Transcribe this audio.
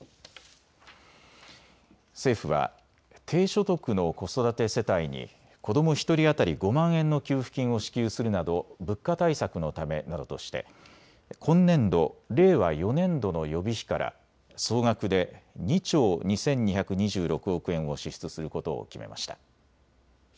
政府は低所得の子育て世帯に子ども１人当たり５万円の給付金を支給するなど物価対策のためなどとして今年度・令和４年度の予備費から総額で２兆２２２６億円を支出することを決めました。